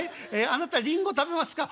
『あなたリンゴ食べますか？』。